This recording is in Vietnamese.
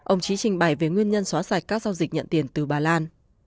ông trí trình bày về nguyên nhân xóa sạch các giao dịch nhận tiền từ bà lan